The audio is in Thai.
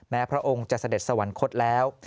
พระองค์จะเสด็จสวรรคตแล้ว